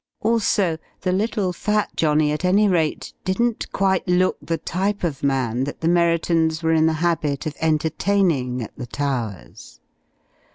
Also, the little fat johnny at any rate, didn't quite look the type of man that the Merriton's were in the habit of entertaining at the Towers.